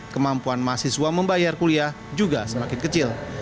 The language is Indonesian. kemampuan mahasiswa membayar kuliah juga semakin kecil